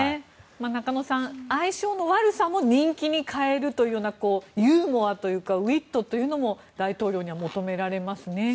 中野さん、相性の悪さも人気に変えるというユーモアというかウィットというのも大統領には求められますね。